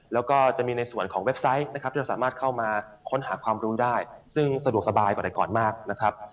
แล้วก็จะมีในส่วนของเว็บไซต์นะครับที่เราสามารถเข้ามาค้นหาความรู้ได้ซึ่งสะดวกสบายกว่าแต่ก่อนมากนะครับ